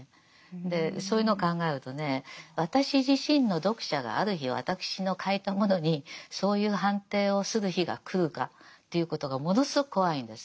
でそういうのを考えるとね私自身の読者がある日私の書いたものにそういう判定をする日が来るかということがものすごく怖いんです。